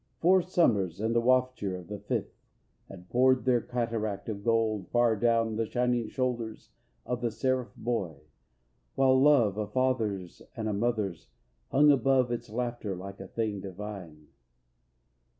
Four summers and the wafture of the fifth Had poured their cataract of gold far down The shining shoulders of the seraph boy, While love, a father's and a mother's, hung Above its laughter like a thing divine.